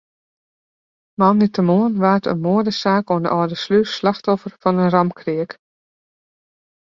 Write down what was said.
Moandeitemoarn waard in moadesaak oan de Alde Slûs slachtoffer fan in raamkreak.